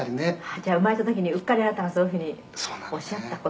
「じゃあ生まれた時にうっかりあなたがそういうふうにおっしゃった事が」